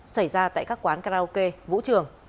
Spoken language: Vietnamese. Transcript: xảy ra tại các quán karaoke vũ trường